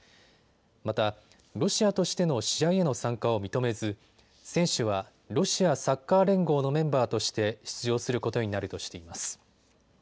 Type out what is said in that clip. またロシアとしての試合への参加を認めず選手はロシアサッカー連合のメンバーとして出場することになるとしています。